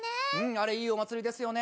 あれいいお祭りですよね。